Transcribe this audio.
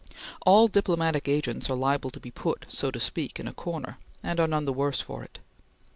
All diplomatic agents are liable to be put, so to speak, in a corner, and are none the worse for it.